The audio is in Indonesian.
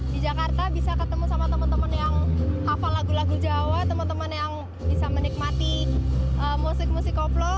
di jakarta bisa ketemu sama teman teman yang hafal lagu lagu jawa teman teman yang bisa menikmati musik musik koplo